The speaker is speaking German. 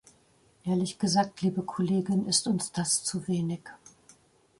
Ehrlich gesagt, liebe Kollegin, ist uns das zu wenig.